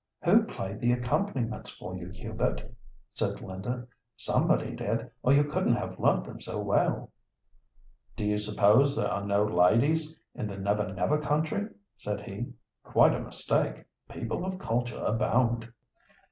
"Who played the accompaniments for you, Hubert?" said Linda. "Somebody did, or you couldn't have learnt them so well." "Do you suppose there are no ladies in the 'Never Never' country?" said he. "Quite a mistake. People of culture abound."